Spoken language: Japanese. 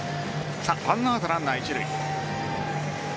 １アウトランナー一塁。